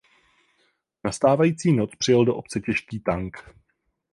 V nastávající noc přijel do obce těžký tank.